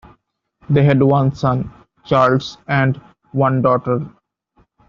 They had one son, Charles, and one daughter.